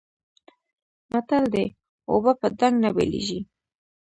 متل دی: اوبه په ډانګ نه بېلېږي.